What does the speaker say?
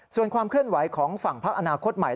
ส่วนความเคลื่อนไหวของฝั่งพักอนาคตใหม่